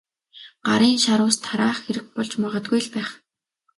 Гарын шар ус тараах хэрэг болж магадгүй л байх.